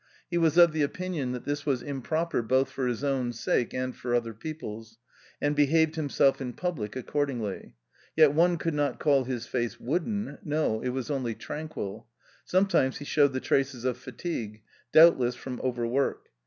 He was of the opinion that this was im proper both for his own sake, and for other people's, and behaved himself in public accordingly. Yet one could not call his face wooden ; no, it was only tranquil. Sometimes he showed the traces of fatigue — doubtless from overwork.